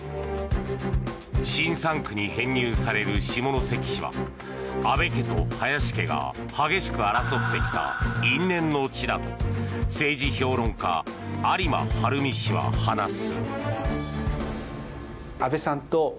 新３区に編入される下関市は安倍家と林家が激しく争ってきた因縁の地だと政治評論家・有馬晴海氏は話す。